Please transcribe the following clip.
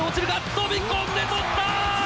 飛び込んで捕った！